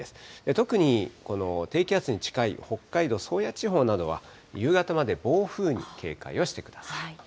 特にこの低気圧に近い北海道宗谷地方などは夕方まで暴風に警戒をしてください。